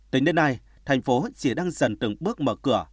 tính đến nay tp hcm chỉ đang dần từng bước mở cửa